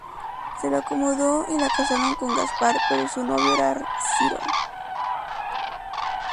Se lo acomodo y la casaron con gaspar, pero su novio era ciro.